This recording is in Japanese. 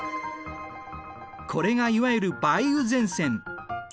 これがいわゆる梅雨前線。